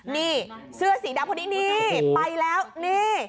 นี่เสื้อสีดำคนนี้นี่ไปแล้วนี่